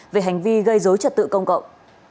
về hành vi gây dối trật tự công cộng